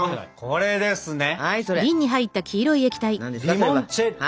リモンチェッロ！